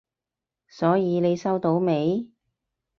所以你收到未？